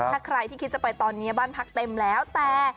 ถ้าใครที่คิดจะไปตอนนี้บ้านพักเต็มแล้วแต่